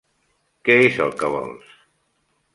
Què és el que vols?